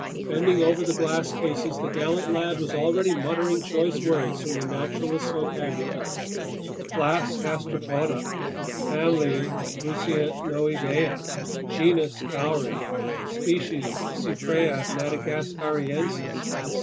Bending over the glass cases, the gallant lad was already muttering choice words from the naturalist's vocabulary: class Gastropoda, family Buccinoidea, genus cowry, species Cypraea madagascariensis, etc.